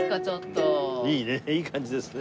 いいねいい感じですね。